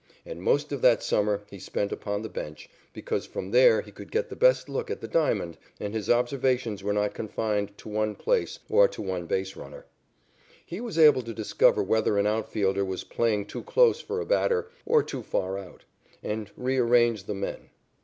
And most of that summer he spent upon the bench, because from there he could get the best look at the diamond, and his observations were not confined to one place or to one base runner. He was able to discover whether an out fielder was playing too close for a batter, or too far out, and rearrange the men.